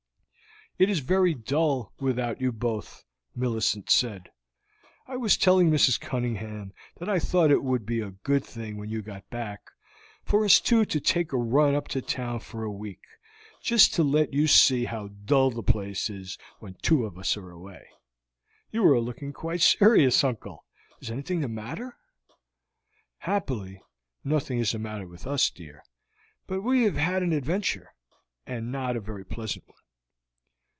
"It is very dull without you both," Millicent said. "I was telling Mrs. Cunningham that I thought it would be a good thing, when you got back, for us two to take a run up to town for a week, just to let you see how dull the place is when two of us are away. You are looking quite serious, uncle. Is anything the matter?" "Happily nothing is the matter with us, dear, but we have had an adventure, and not a very pleasant one."